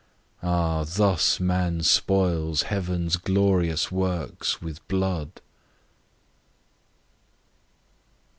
Ah, thus man spoils Heaven's glorious works with blood!